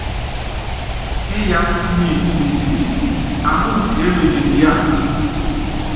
Íyá nyi ni nsípítí, aŋúu eémenyen yía?